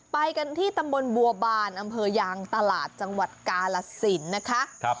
ไปกันที่ตำบลบัวบานอำเภอยางตลาดจังหวัดกาลสินนะคะ